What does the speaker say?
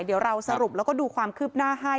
เดี๋ยวเราสรุปแล้วก็ดูความคืบหน้าให้